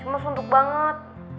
cuma suntuk banget